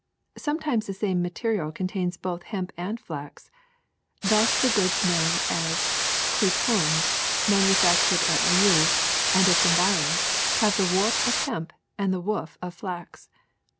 Sometimes the same material contains both hemp and flax. Thus the goods known as cretonnes, manufactured at Lisieux and its' environs, have the warp of hemp and the woof of flax.